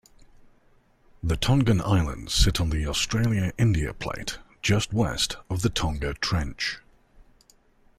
The Tongan Islands sit on the Australia-India plate just west of the Tonga Trench.